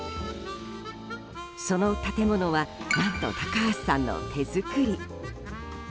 その建物は何と高橋さんの手作り。